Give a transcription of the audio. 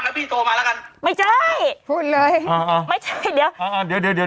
ผมเป่ากบอ่ะโอเคเป่ากบอยู่อ๋อพ่อเอ้ยแล้วยังไงต่อ